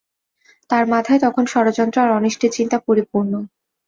তার মাথায় তখন ষড়যন্ত্র আর অনিষ্টের চিন্তা পরিপূর্ণ।